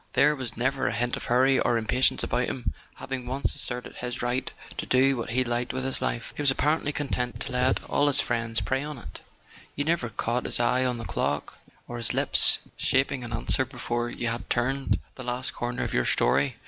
There was never a hint of hurry or impatience about him: having once asserted his right to do what he liked with his life, he was apparently con [ 165 ] A SON AT THE FRONT tent to let all his friends prey on it. You never caught his eye on the clock, or his lips shaping an answer be¬ fore you had turned the last corner of your story.